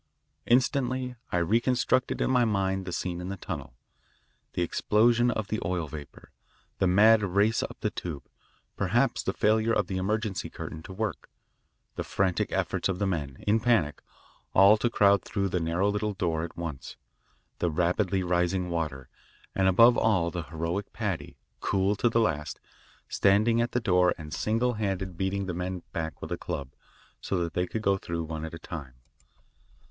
Instantly I reconstructed in my mind the scene in the tunnel the explosion of the oil vapour, the mad race up the tube, perhaps the failure of the emergency curtain to work, the frantic efforts of the men, in panic, all to crowd through the narrow little door at once; the rapidly rising water and above all the heroic Paddy, cool to the last, standing at the door and single handed beating the men back with a club, so that they could go through one at a time.